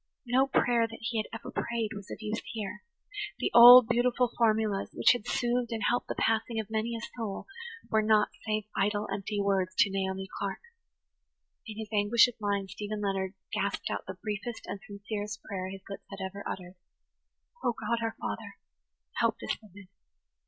No prayer that he had ever prayed was of use here. The old, beauti [Page 109] ful formulas, which had soothed and helped the passing of many a soul, were naught save idle, empty words to Naomi Clark. In his anguish of mind Stephen Leonard gasped out the briefest and sincerest prayer his lips had ever uttered. "O, God, our Father! Help this woman.